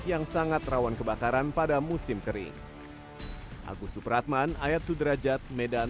yang sangat rawan kebakaran pada musim kering